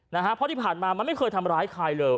นะฮะเพราะที่ผ่านมามันไม่เคยทำร้ายใครเลย